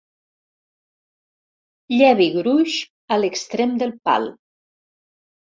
Llevi gruix a l'extrem del pal.